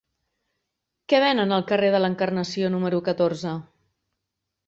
Què venen al carrer de l'Encarnació número catorze?